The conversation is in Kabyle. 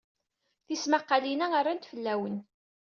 Tismaqqalin-a rnant fell-awen.